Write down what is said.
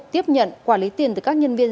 tiếp nhận quản lý tiền từ các nhân viên